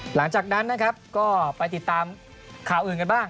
หลังจากนั้นนะครับก็ไปติดตามข่าวอื่นกันบ้าง